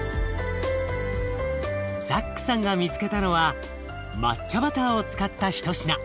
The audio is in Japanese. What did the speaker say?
ザックさんが見つけたのは抹茶バターを使った一品。